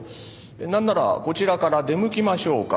何ならこちらから出向きましょうか。